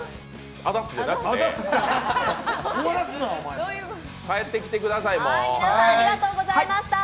あざっすじゃなくて、帰ってきてください、もう。